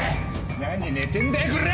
何寝てんだよこら！